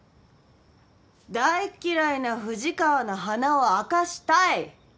大っ嫌いな富士川の鼻を明かしたい。